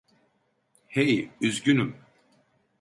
Hey, üzgünüm.